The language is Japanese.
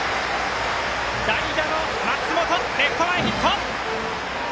代打の松本レフト前ヒット！